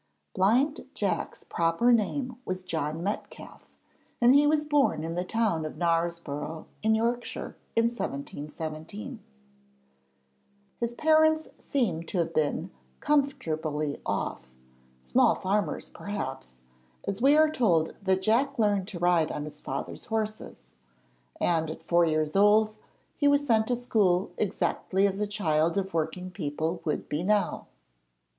Blind Jack's proper name was John Metcalfe, and he was born in the town of Knaresborough in Yorkshire, in 1717. His parents seem to have been comfortably off small farmers perhaps, as we are told that Jack learned to ride on his father's horses; and at four years old he was sent to school, exactly as a child of working people would be now.